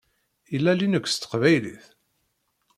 Yella Linux s teqbaylit?